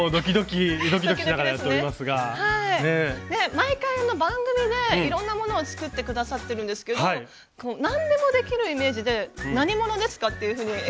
毎回番組でいろんなものを作って下さってるんですけど何でもできるイメージで何者ですか？っていうふうに。